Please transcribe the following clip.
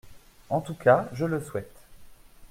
En tout cas, je le souhaite.